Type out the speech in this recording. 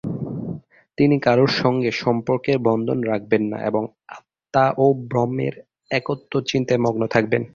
তিনি কারোর সঙ্গে সম্পর্কের বন্ধন রাখবেন না এবং আত্মা ও ব্রহ্মের একত্ব চিন্তায় মগ্ন থাকবেন।